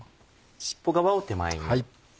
尻尾側を手前に。